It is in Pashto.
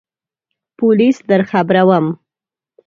پولیس درخبروم !